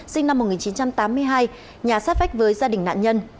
sinh năm một nghìn chín trăm tám mươi hai nhà sát vách với gia đình nạn nhân